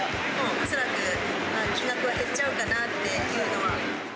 恐らく金額は減っちゃうかなっていうのは。